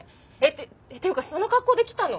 っていうかその格好で来たの？